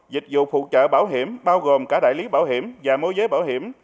một dịch vụ phụ trợ bảo hiểm bao gồm cả đại lý bảo hiểm và mô giới bảo hiểm